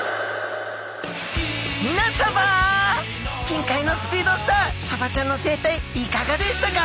近海のスピードスターサバちゃんの生態いかがでしたか？